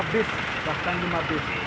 lima bus bahkan lima bus